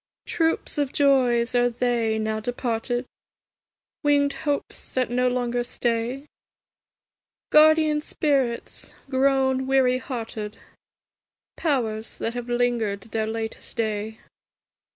Troops of joys are they, now departed? Winged hopes that no longer stay? Guardian spirits grown weary hearted? Powers that have linger'd their latest day?